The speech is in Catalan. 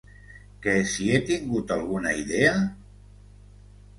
Que si he tingut alguna idea?